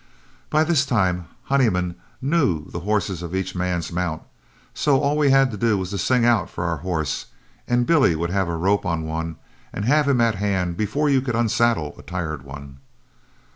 By this time Honeyman knew the horses of each man's mount, so all we had to do was to sing out our horse, and Billy would have a rope on one and have him at hand before you could unsaddle a tired one.